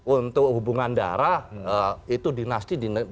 untuk hubungan darah itu dinasti di negara lain